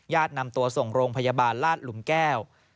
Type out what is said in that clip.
นำตัวส่งโรงพยาบาลลาดหลุมแก้ว